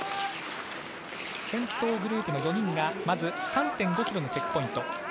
先頭グループの４人が３．５ｋｍのチェックポイント。